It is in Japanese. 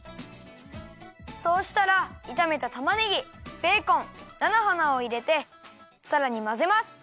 そうしたらいためたたまねぎベーコンなのはなをいれてさらにまぜます。